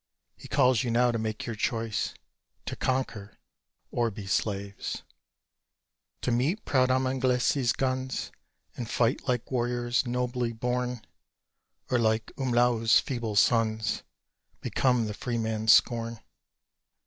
He calls you now to make your choice To conquer or be slaves: To meet proud Amanglézi's guns, And fight like warriors nobly born: Or, like Umláo's feeble sons, Become the freeman's scorn.